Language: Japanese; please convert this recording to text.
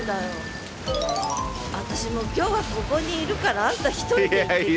私もう今日はここにいるからあんた一人で行ってきて。